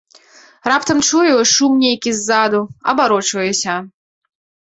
Раптам чую, шум нейкі ззаду, абарочваюся.